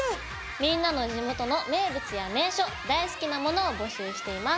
みんなの地元の名物や名所大好きなものを募集しています。